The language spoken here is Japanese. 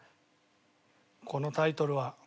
このタイトルは。